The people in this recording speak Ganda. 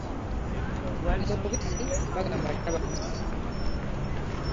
Omubisi bagamba taba mussi.